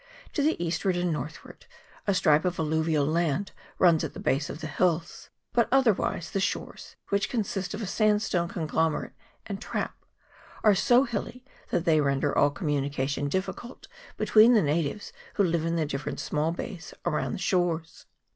To the eastward and northward a stripe of alluvial land runs at the base of the hills; but otherwise the shores, which consist of a sandstone conglomerate and trap, are so hilly that they render all communication difficult between the natives who live in the different small bays around the shores.